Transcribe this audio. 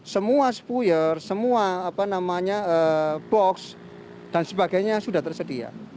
semua spuyer semua apa namanya box dan sebagainya sudah tersedia